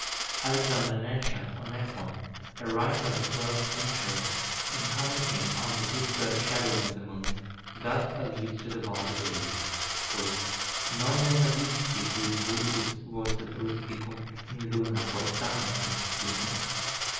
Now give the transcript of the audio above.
Alexander Necham, or Nequam, a writer of the twelfth century, in commenting on the dispersed shadows in the moon, thus alludes to the vulgar belief: "Nonne novisti quid vulgus vocet rusticum in luna portantem spinas?